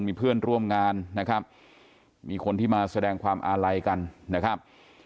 มีเพื่อนร่วมงานนะครับมีคนที่มาแสดงความอาลัยกันนะครับ